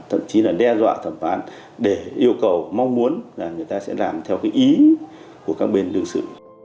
thậm chí là đe dọa thẩm phán để yêu cầu mong muốn là người ta sẽ làm theo cái ý của các bên đương sự